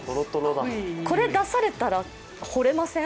これ、出されたらほれません？